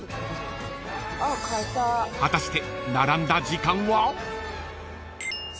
［果たして］